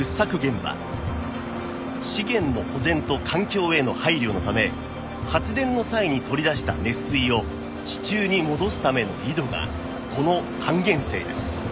資源の保全と環境への配慮のため発電の際に取り出した熱水を地中に戻すための井戸がこの還元井です